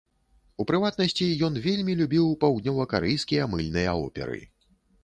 У прыватнасці, ён вельмі любіў паўднёвакарэйскія мыльныя оперы.